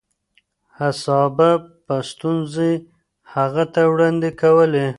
صحابه به ستونزې هغې ته وړاندې کولې.